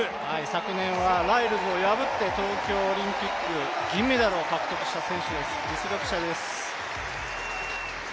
昨年はライルズを破って、東京オリンピック銀メダルを獲得した実力者です。